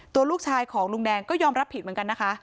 ตัวลูกชายของลุงแดงก็ยอมรับผิดเหมือนกันนะคะ